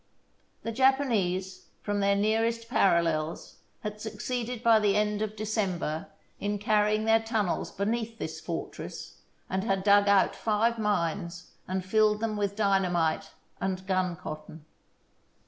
The Japa nese, from their nearest parallels, had succeeded by the end of December in carrying their tunnels beneath this fortress, and had dug out five mines and filled them with dynamite and gun cotton.